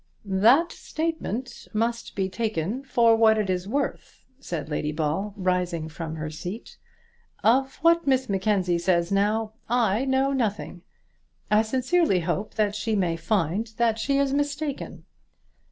"That statement must be taken for what it is worth," said Lady Ball, rising from her seat. "Of what Miss Mackenzie says now, I know nothing. I sincerely hope that she may find that she is mistaken."